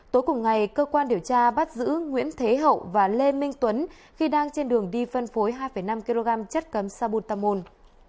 tối cùng ngày cơ quan điều tra bắt giữ nguyễn thế hậu và lê minh tuấn khi đang trên đường đi phân phối hai năm kg chất cấm sabutamol